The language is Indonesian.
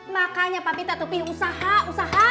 makanya papi teh tupi usaha usaha